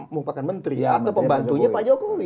merupakan menteri atau pembantunya pak jokowi